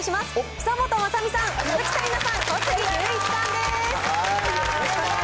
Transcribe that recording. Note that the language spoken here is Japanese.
久本雅美さん、鈴木紗理奈さん、小杉竜一さんです。